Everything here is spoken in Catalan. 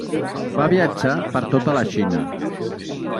Va viatjar per tota la Xina.